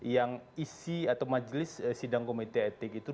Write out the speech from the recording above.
yang isi atau majelis sidang komite etik itu